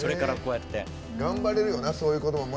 頑張れるよなそういう言葉